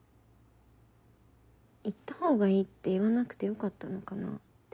行ったほうがいいって言わなくてよかったのかなって。